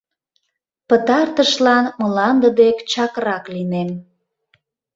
Пытартышлан мланде дек чакрак лийнем.